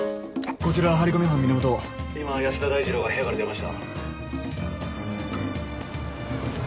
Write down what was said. こちら張り込み班源今安田大二郎が部屋から出ました。